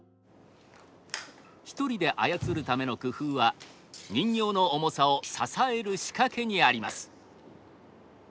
一人であやつるための工夫は人形の重さを支える仕掛けにあります。